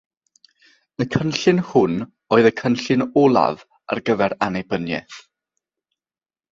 Y cynllun hwn oedd y cynllun olaf ar gyfer annibyniaeth.